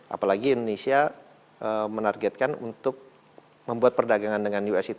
apalagi indonesia menargetkan untuk membuat perdagangan yang lebih baik